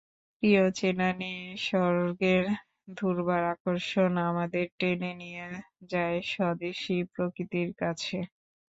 প্রিয় চেনা নিসর্গের দুর্বার আকর্ষণ আমাদের টেনে নিয়ে যায় স্বদেশি প্রকৃতির কাছে।